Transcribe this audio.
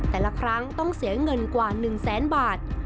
แต่ละครั้งต้องเสียเงินกว่า๑แสนบาท